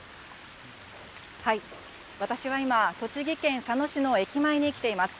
私は今、栃木県佐野市の駅前に来ています。